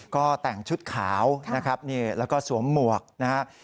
ก็แต่งชุดขาวนะครับนี่แล้วก็สวมหมวกนะครับ